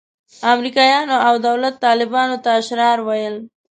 امریکایانو او دولت طالبانو ته اشرار ویل.